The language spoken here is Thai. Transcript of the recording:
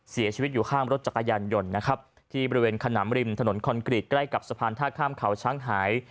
เสียชีวิตอยู่ข้างรถจักรยานยนต์นะครับที่บริเวณขนำริมถนนคอนกรีตใกล้กับสะพานท่าข้ามเขาช้างหาย